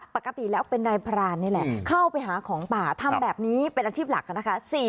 ปกติแล้วเป็นนายพรานนี่แหละเข้าไปหาของป่าทำแบบนี้เป็นอาชีพหลักนะคะ